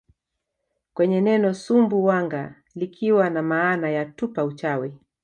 kwenye neno Sumbu wanga likiwa na maana ya tupa uchawi